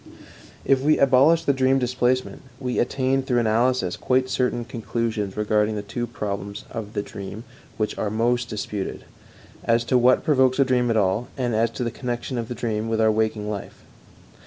If we abolish the dream displacement, we attain through analysis quite certain conclusions regarding two problems of the dream which are most disputed as to what provokes a dream at all, and as to the connection of the dream with our waking life.